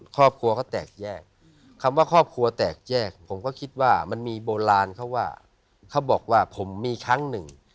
ครอบครัวเขาแตกแยกคำว่าครอบครัวแตกแยกผมก็คิดว่ามันมีโบราณเขาว่าเขาบอกว่าผมมีครั้งหนึ่ง